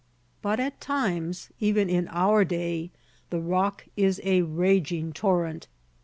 But at times, even in our day, the Rock is a raging torrent.